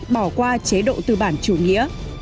bỏ qua chế độ tư bản chủ nghĩa